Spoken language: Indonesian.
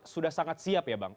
sudah sangat siap ya bang